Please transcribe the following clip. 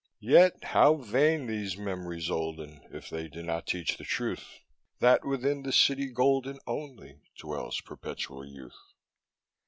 Yet how vain these memories olden If they do not teach the truth That within the city golden Only, dwells perpetual youth.